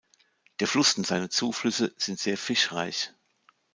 Der Fluss und seine Zuflüsse sind sehr fischreich.